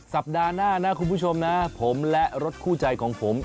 สัปดาห์หน้านะคุณผู้ชมนะผมและรถคู่ใจของผม